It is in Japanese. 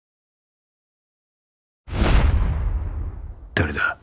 誰だ？